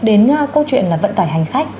đến câu chuyện vận tải hành khách